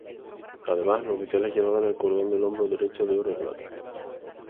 Además, los oficiales llevaban el cordón del hombro derecho de oro o plata.